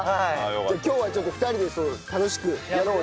じゃあ今日はちょっと２人で楽しくやろうよ。